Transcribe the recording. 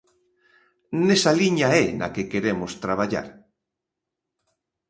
Nesa liña é na que queremos traballar.